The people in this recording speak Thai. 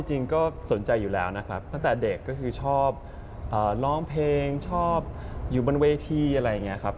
จริงก็สนใจอยู่แล้วนะครับตั้งแต่เด็กก็คือชอบร้องเพลงชอบอยู่บนเวทีอะไรอย่างนี้ครับ